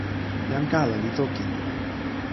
jan kala li toki: